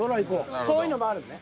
そういうのもあるね？